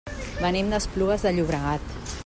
Venim d'Esplugues de Llobregat.